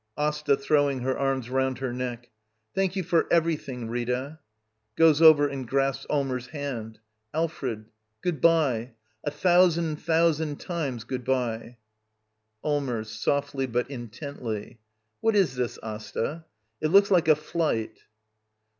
Asta. [Throwing her arms round her neck.] Thank you for everything, Rita! [Goes over and grasps Allmers' hand.] Alfred — good bye! A thousand thousand times, good bye! Allmers. [Softly, but intently.] What is this, Asta? It looks like a flight.